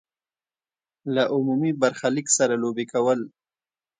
له عمومي برخلیک سره لوبې کول.